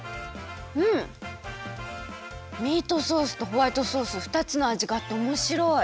うんミートソースとホワイトソースふたつのあじがあっておもしろい！